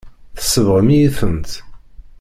Tsebɣem-iyi-tent.